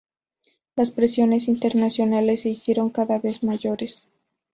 Las presiones internacionales se hicieron cada vez mayores.